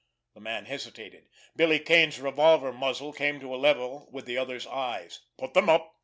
The man hesitated. Billy Kane's revolver muzzle came to a level with the other's eyes. "Put them up!"